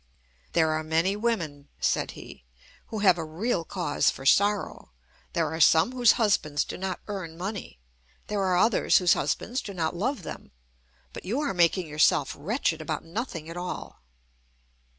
"There are many women," said he, "who have a real cause for sorrow. There are some whose husbands do not earn money. There are others whose husbands do not love them. But you are making yourself wretched about nothing at all."